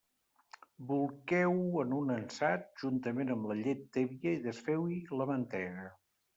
Bolqueu-ho en un ansat, juntament amb la llet tèbia i desfeu-hi la mantega.